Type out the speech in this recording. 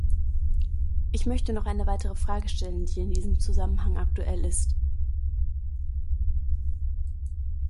Ich möchte noch eine weitere Frage stellen, die in diesem Zusammenhang aktuell ist.